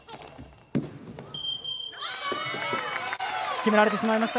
決められてしまいました。